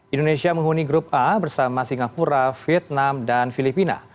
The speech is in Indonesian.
indonesia menghuni grup a bersama singapura vietnam dan filipina